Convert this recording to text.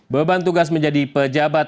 beban tugas menjadi pejabat